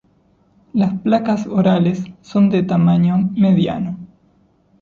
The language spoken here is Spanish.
Las placas orales son de tamaño mediano.